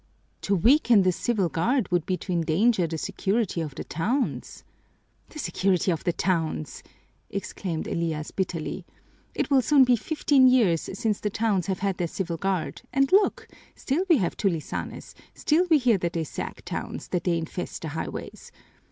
"To weaken the Civil Guard would be to endanger the security of the towns." "The security of the towns!" exclaimed Elias bitterly. "It will soon be fifteen years since the towns have had their Civil Guard, and look: still we have tulisanes, still we hear that they sack towns, that they infest the highways.